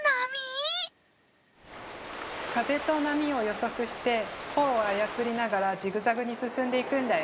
風と波を予測して帆を操りながらジグザグに進んでいくんだよ。